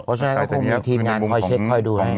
ก็ใช่ก็คงมีทีมงานคอยเช็คคอยดู